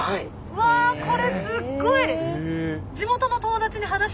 わこれすっごい！